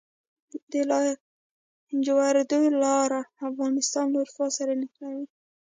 د لاجوردو لاره افغانستان له اروپا سره نښلوي